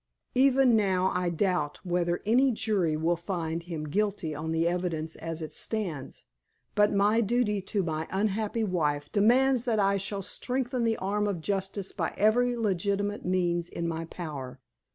Even now I doubt whether any jury will find him guilty on the evidence as it stands, but my duty to my unhappy wife demands that I shall strengthen the arm of justice by every legitimate means in my power."